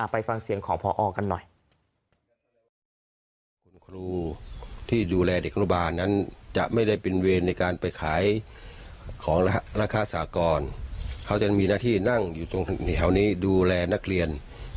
ไปฟังเสียงของพอกันหน่อย